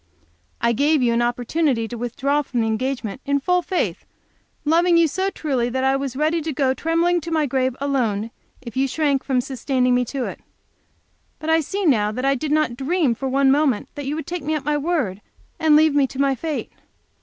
I gave you an opportunity to withdraw from our engagement in full faith, loving you so truly that I was ready to go trembling to my grave alone if you shrank from sustaining me to it. But I see now that I did not dream for one moment that you would take me at my word and leave me to my fate.